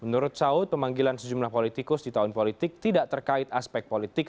menurut saud pemanggilan sejumlah politikus di tahun politik tidak terkait aspek politik